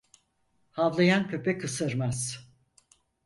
Havlayan köpek ısırmaz.